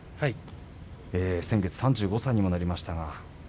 先月３５歳にもなりました